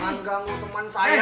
jangan ganggu temen saya